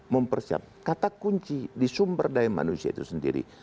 mempersiap kata kunci di sumber daya manusia itu sendiri